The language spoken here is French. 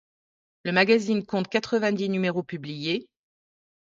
Le magazine compte quatre-vingt-dix numéros publiés.